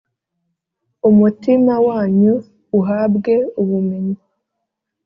umutima wanyu uhabwe ubumenyi,